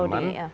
arab saudi ya